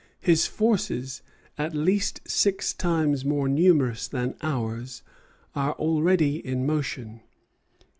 His forces, at least six times more numerous than ours, are already in motion.